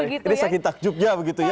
ini sakit takjubnya begitu ya